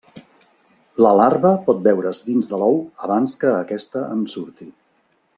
La larva pot veure's dins de l'ou abans que aquesta en surti.